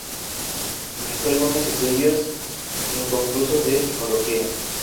Realizó algunos estudios inconclusos de psicología.